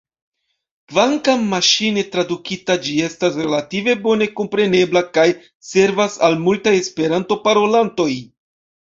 Kvankam maŝine tradukita ĝi estas relative bone komprenebla kaj servas al multaj Esperanto-parolantoj.